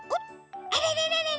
あらららららうわ！